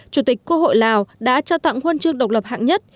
chủ tịch quốc hội lào đã trao tặng huân chương độc lập hạng nhất